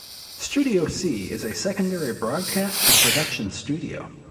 Studio C is a secondary broadcast and production studio.